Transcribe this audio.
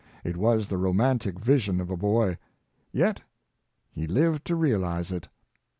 It was the romantic vision of a boy; yet he lived to realize it.